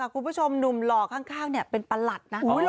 คุณผู้ชมหนุ่มหล่อข้างเป็นประหลัดนะ